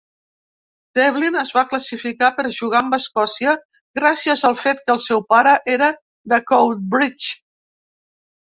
Devlin es va classificar per jugar amb Escòcia gràcies al fet que el seu pare era de Coatbridge.